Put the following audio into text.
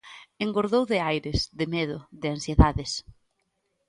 Engordou de aires, de medo e de ansiedades.